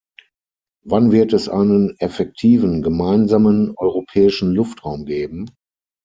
Wann wird es einen effektiven gemeinsamen europäischen Luftraum geben?